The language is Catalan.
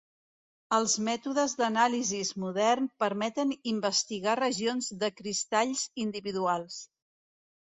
Els mètodes d'anàlisis modern permeten investigar regions de cristalls individuals.